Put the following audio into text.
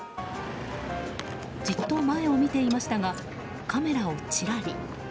じっと前を見ていましたがカメラをちらり。